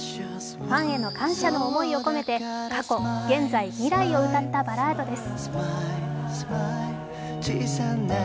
ファンへの感謝の思いを込めて過去・現在・未来を歌ったバラードです。